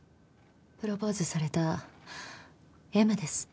プロポーズされたＭです。